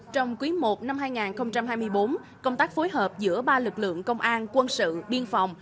trong quý i năm hai nghìn hai mươi bốn công tác phối hợp giữa ba lực lượng công an quân sự biên phòng